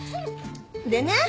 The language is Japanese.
でね